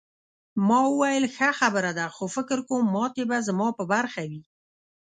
ما وویل ښه خبره ده خو فکر کوم ماتې به زما په برخه وي.